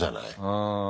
うん。